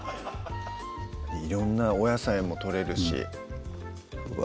色んなお野菜もとれるしうわ